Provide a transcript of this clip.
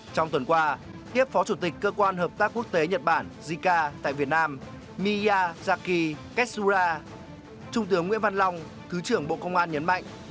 trong tuần qua tiếp phó chủ tịch cơ quan hợp tác quốc tế nhật bản jica tại việt nam miyazaki ketsura trung tướng nguyễn văn long thứ trưởng bộ công an nhấn mạnh